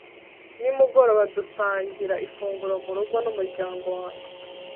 nimugoroba, dusangira ifunguro murugo n'umuryango wanjye